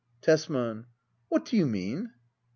Tesman. What do you mean ?